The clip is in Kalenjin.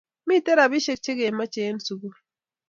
Miten rapishek che kemache en sugul